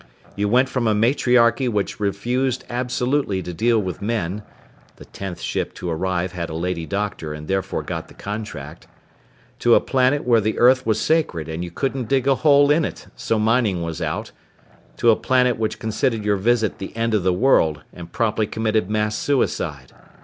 You went from a matriarchy which refused absolutely to deal with men (the tenth ship to arrive had a lady doctor and therefore got the contract) to a planet where the earth was sacred and you couldn't dig a hole in it so mining was out, to a planet which considered your visit the end of the world and promptly committed mass suicide.